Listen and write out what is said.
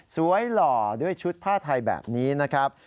หล่อด้วยชุดผ้าไทยแบบนี้นะครับ